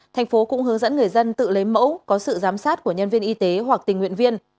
thành phố cũng hướng dẫn người dân tự lấy mẫu có sự giám sát của nhân viên y tế hoặc tình nguyện viên